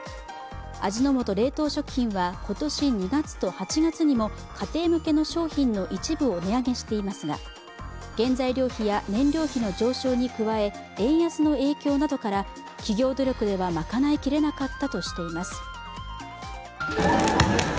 味の素冷凍食品は今年２月と８月にも家庭向け商品の一部を値上げしていますが原材料費や燃料費の上昇に加え円安の影響などから、企業努力ではまかないきれなかったとしています。